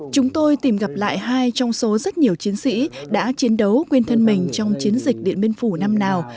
chúng tôi tìm gặp lại hai trong số rất nhiều chiến sĩ đã chiến đấu quyên thân mình trong chiến dịch điện biên phủ năm nào